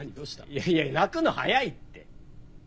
いやいや泣くの早いって。